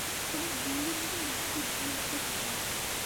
তোমার গৌরমোহনবাবুকে বিনয়বাবু পাও নি।